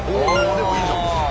でもいいじゃん。